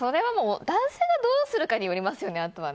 男性がどうするかによりますよね、あとは。